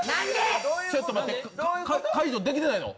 ちょっと待って解除できてないの？